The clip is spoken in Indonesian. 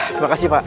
terima kasih pak